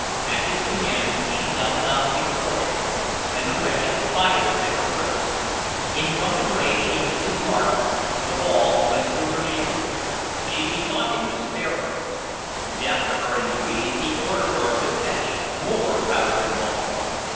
At his command she knelt down before him, and the wretch fired at her breast. In his drunken rage he missed his mark the ball went through her shoulder. She besought him to spare her. Deaf to her entreaties, he ordered her to fetch more powder and ball.